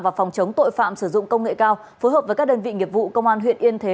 và phòng chống tội phạm sử dụng công nghệ cao phối hợp với các đơn vị nghiệp vụ công an huyện yên thế